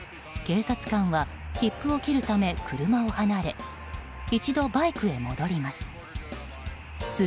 警察官は切符を切るため車を離れ、一度バイクへ戻ります。